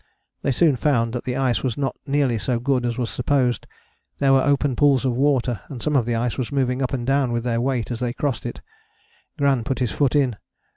They soon found that the ice was not nearly so good as was supposed: there were open pools of water, and some of the ice was moving up and down with their weight as they crossed it: Gran put his foot in.